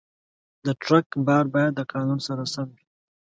د ټرک بار باید د قانون سره سم وي.